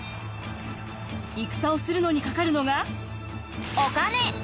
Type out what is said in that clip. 戦をするのにかかるのがお金！